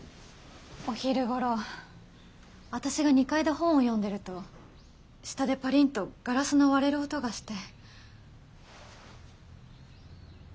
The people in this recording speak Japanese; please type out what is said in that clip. お昼ごろ私が２階で本を読んでると下でパリンとガラスの割れる音がして。